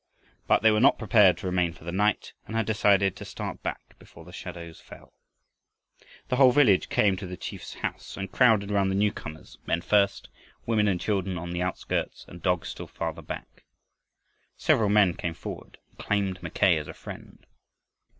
But they were not prepared to remain for the night, and had decided to start back before the shadows fell. The whole village came to the chief's house and crowded round the newcomers, men first, women and children on the outskirts, and dogs still farther back. Several men came forward and claimed Mackay as a friend.